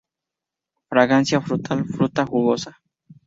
Fragancia frutal Fruta jugosa.